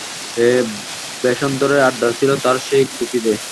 এই বেশান্তরের আড্ডা ছিল তার সেই কুটিরে।